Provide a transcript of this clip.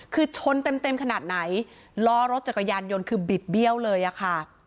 คือชนเต็มเต็มขนาดไหนล้อรถจักรยานยนต์คือบิดเบี้ยวเลยอะค่ะ